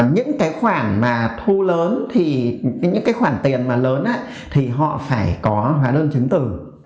những cái khoản mà thu lớn thì những cái khoản tiền mà lớn thì họ phải có hóa đơn chứng tử